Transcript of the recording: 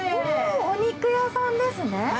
お肉屋さんですね。